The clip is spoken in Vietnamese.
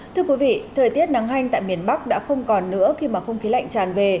thưa quý vị thời tiết nắng hanh tại miền bắc đã không còn nữa khi mà không khí lạnh tràn về